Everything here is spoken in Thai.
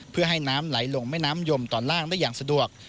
เพื่อให้น้ำไหลลงแม่น้ำยมตอนล่างได้อย่างสะดวก